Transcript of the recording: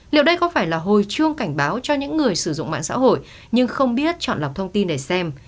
liệu đây có phải là hồi chuông cảnh báo cho những người sử dụng mạng xã hội nhưng không biết chọn lọc thông tin để xem